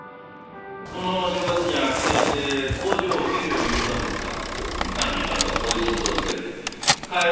この正月にゃあ帰省して工場を見るように言うたんですが何かと口実をつけて帰ろうとせんのんです。